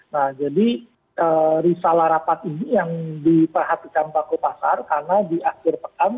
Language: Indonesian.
nah jadi risalah rapat ini yang diperhatikan paku pasar karena di akhir pekan